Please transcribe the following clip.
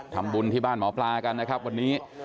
ทำบุญที่บ้านหมอปลากันนะครับวันนี้